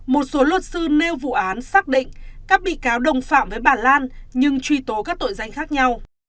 một số luật sư nêu vụ án xác định các bị cáo đồng phạm với bà lan nhưng truy tố các tội danh khác nhau